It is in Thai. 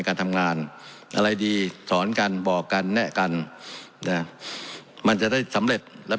เพราะมันก็มีเท่านี้นะเพราะมันก็มีเท่านี้นะ